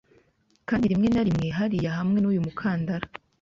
Kandi rimwe na rimwe hariya hamwe n'uyu mukandara